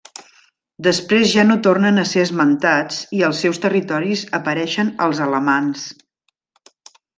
Després ja no tornen a ser esmentats i als seus territoris apareixen els alamans.